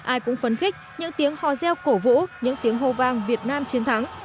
ai cũng phấn khích những tiếng hò reo cổ vũ những tiếng hô vang việt nam chiến thắng